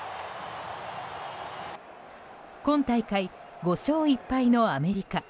今大会５勝１敗のアメリカ。